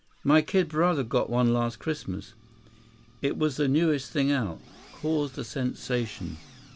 "My kid brother got one last Christmas. It was the newest thing out. Caused a sensation."